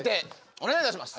お願いいたします。